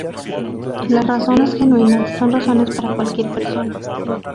Las razones genuinas son razones para cualquier persona.